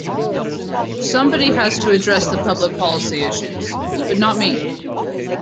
Somebody has to address the public policy issues - but not me.